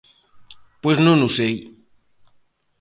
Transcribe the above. Pois non o sei.